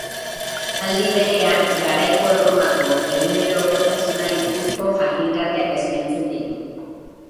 Aldi berean, garaiko Erromako egunerokotasunari buruzko jakingarriak eskaintzen ditu.